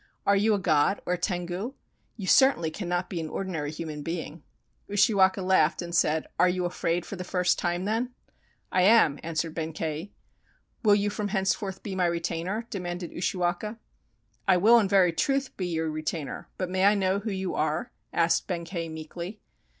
Are you a god or a tengu? You certainly cannot be an ordinary human being!" Ushiwaka laughed and said: "Are you afraid for the first time, then?" "I am," answered Benkei. "Will you from henceforth be my retainer?" de manded Ushiwaka. "I will in very truth be your retainer, but may I know who you are?" asked Benkei meekly.